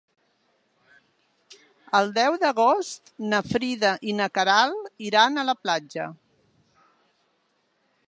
El deu d'agost na Frida i na Queralt iran a la platja.